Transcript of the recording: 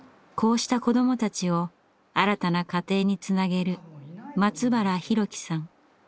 こうした子どもたちを新たな家庭につなげる松原宏樹さん。